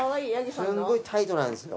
すごいタイトなんですよ。